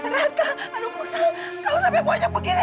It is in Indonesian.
raka raka aduh kusam kau sampai boyang begini